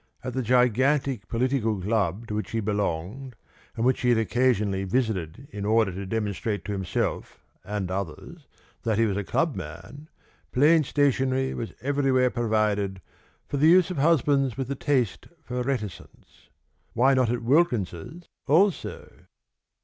At the gigantic political club to which he belonged, and which he had occasionally visited in order to demonstrate to himself and others that he was a club man, plain stationery was everywhere provided for the use of husbands with a taste for reticence. Why not at Wilkins's also?